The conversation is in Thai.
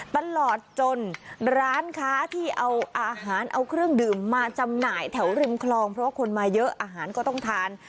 ตลอดจนร้านค้าที่เอาอาหารเอาเครื่องดื่มมาจำหน่ายแถวริมคลองเพราะคนมาเยอะอาหารก็ต้องทาน